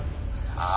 さあ。